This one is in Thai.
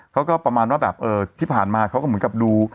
ประมาณว่าแบบที่ผ่านมาเขาก็เหมือนกับดู